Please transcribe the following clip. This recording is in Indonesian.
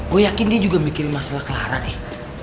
gue yakin dia juga mikirin masalah clara deh